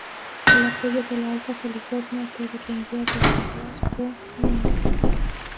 El apoyo de la Alta California, que dependía de San Blas, fue mínimo.